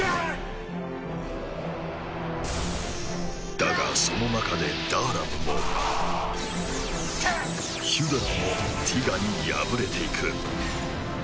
だがその中でダーラムもヒュドラもティガに敗れていく。